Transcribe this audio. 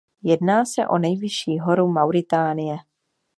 Jedná se o nejvyšší horu Mauritánie.